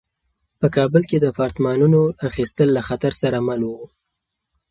په کابل کې د اپارتمانونو اخیستل له خطر سره مل وو.